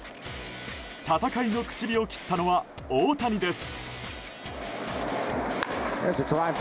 戦いの口火を切ったのは大谷です。